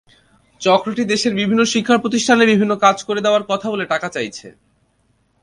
চক্রটি দেশের বিভিন্ন শিক্ষাপ্রতিষ্ঠানে বিভিন্ন কাজ করে দেওয়ার কথা বলে টাকা চাইছে।